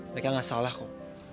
mereka gak salah kok